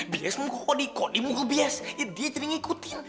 bias muka kody kody muka bias ya dia jadi ngikutin